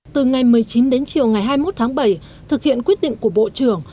từ ngày một mươi chín đến chiều ngày hai mươi một tháng bảy thực hiện quyết định của bộ trưởng